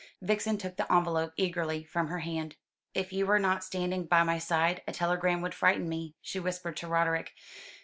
Vixen took the envelope eagerly from her hand. "If you were not standing by my side, a telegram would frighten me," she whispered to Roderick.